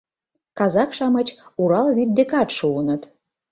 Казак-шамыч Урал вӱд декат шуыныт.